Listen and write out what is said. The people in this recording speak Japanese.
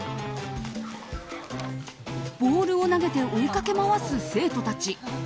ボールを投げて追いかけ回す生徒たち。